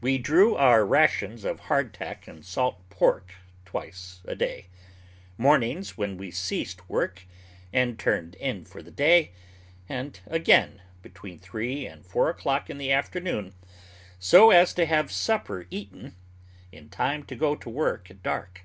We drew our rations of hard tack and salt pork twice a day; mornings when we ceased work and turned in for the day, and again, between three and four o'clock in the afternoon, so as to have supper eaten in time to go to work at dark.